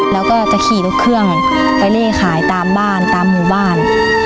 แล้วก็จะขี่รถเครื่องไปเล่ขายตามบ้านตามหมู่บ้าน